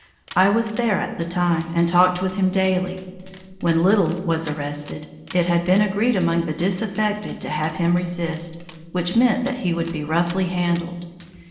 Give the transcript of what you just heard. I was there at the time and talked with him daily. When Little was arrested, it had been agreed among the disaffected to have him resist, which meant that he would be roughly handled.